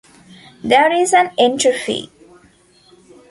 There is an entry fee.